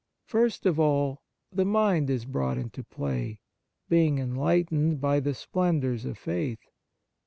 First of all, the mind is brought into play, being enlightened by the splendours of faith.